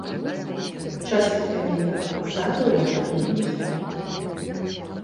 Частка каменнага фасаду ў аварыйным стане.